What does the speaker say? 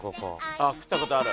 あっ食ったことある？